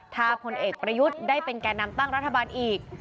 ถ้าพลเอกประยุทธ์ได้เป็นแก่นำตั้งรัฐบาลอีก